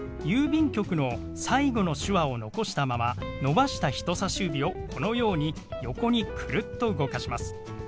「郵便局」の最後の手話を残したまま伸ばした人さし指をこのように横にクルッと動かします。